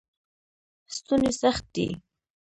ستوني سخت دی.